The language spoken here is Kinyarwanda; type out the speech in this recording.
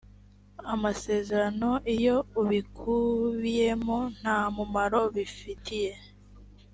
amasezerano iyo ibikubiyemo nta mumaro bifitiye